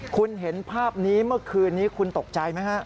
คุณเห็นภาพนี้เมื่อคืนนี้คุณตกใจไหมฮะ